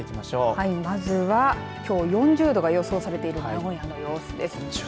はい、まずはきょう４０度が予測されている名古屋の様子です。